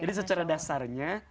jadi secara dasarnya